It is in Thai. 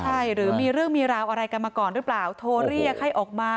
ใช่หรือมีเรื่องมีราวอะไรกันมาก่อนหรือเปล่าโทรเรียกให้ออกมา